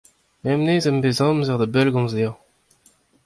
Bemdez em bez amzer da bellgomz dezhañ.